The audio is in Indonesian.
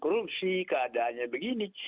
korupsi keadaannya begini